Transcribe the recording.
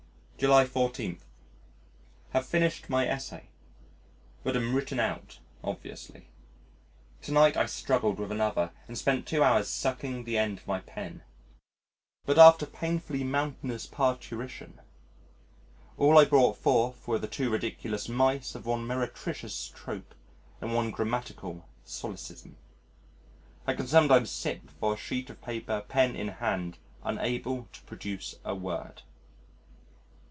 July 14. Have finished my essay. But am written out obviously. To night I struggled with another, and spent two hours sucking the end of my pen. But after painfully mountainous parturition, all I brought forth were the two ridiculous mice of one meretricious trope and one grammatical solecism. I can sometimes sit before a sheet of paper, pen in hand, unable to produce a word.